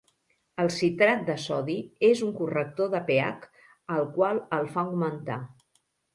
El citrat de sodi és un corrector de pH, el qual el fa augmentar.